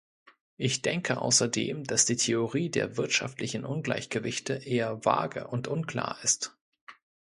Ich denke außerdem, dass die Theorie der wirtschaftlichen Ungleichgewichte eher vage und unklar ist.